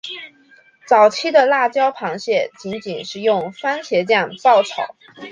早期的辣椒螃蟹仅仅是用番茄酱爆炒。